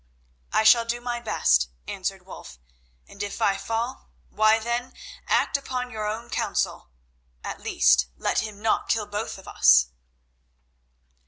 "I shall do my best," answered Wulf, "and if I fall, why, then, act upon your own counsel. At least, let him not kill both of us."